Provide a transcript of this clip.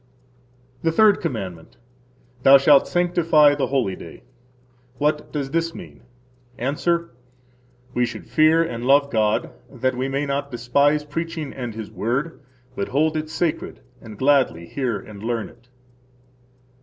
The Third Commandment. Thou shalt sanctify the holy day. What does this mean? –Answer: We should fear and love God that we may not despise preaching and His Word, but hold it sacred, and gladly hear and learn it.